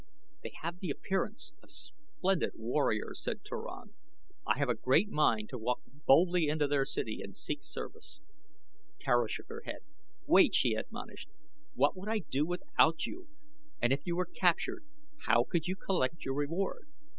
"They have the appearance of splendid warriors," said Turan. "I have a great mind to walk boldly into their city and seek service." Tara shook her head. "Wait," she admonished. "What would I do without you, and if you were captured how could you collect your reward?"